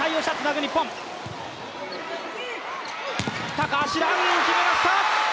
高橋藍、決めました！